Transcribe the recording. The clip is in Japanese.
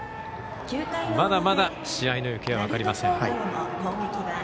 まだまだ試合の行方は分かりません。